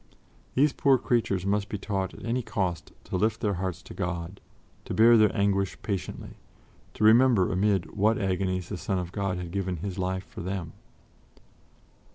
These poor creatures must be taught at any cost to lift their hearts to God, to bear their anguish patiently, to remember amid what agonies the Son of God had given His life for them.